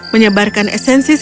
menyebarkan esensi kekuatan magnus